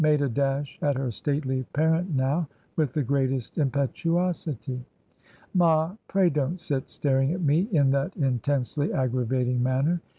. made a dash at her stately parent now, with the greatest impetuosity. 'Ma, pray don't sit staring at me in that intensely aggravating manner!